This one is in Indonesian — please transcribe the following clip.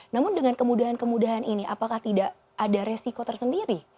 namun dengan kemudahan kemudahan ini apakah tidak ada resiko tersendiri